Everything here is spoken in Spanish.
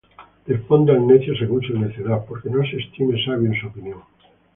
Responde al necio según su necedad, Porque no se estime sabio en su opinión.